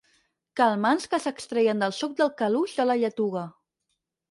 Calmants que s'extreien del suc del caluix de la lletuga.